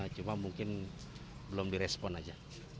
cuma mungkin belum direspon saja